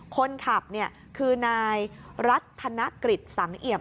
คนขับเนี่ยคือนายรัฐณกฤทธิ์สังเหยียม